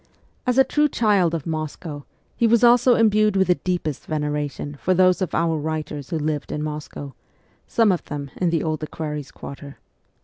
As a true child of Moscow he was also imbued with the deepest veneration for those of our writers who lived in Moscow some of them in the Old Equerries' Quarter.